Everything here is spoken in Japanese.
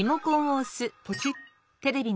ポチッ！